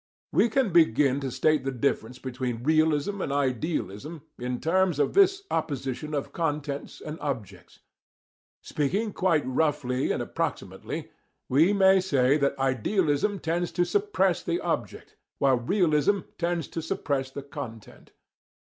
We can begin to state the difference between realism and idealism in terms of this opposition of contents and objects. Speaking quite roughly and approximately, we may say that idealism tends to suppress the object, while realism tends to suppress the content.